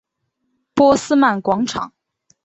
波特曼广场。